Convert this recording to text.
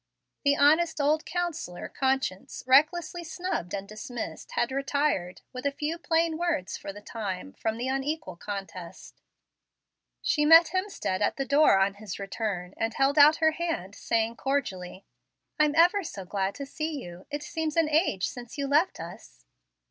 The honest old counsellor, conscience, recklessly snubbed and dismissed, had retired, with a few plain words, for the time, from the unequal contest. She met Hemstead at the door on his return, and held out her hand, saying cordially, "I'm ever so glad to see you. It seems an age since you left us."